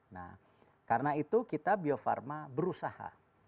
nah karena itu kita bio farma berusaha